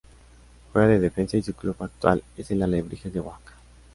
Juega de Defensa y su club actual es el Alebrijes de Oaxaca.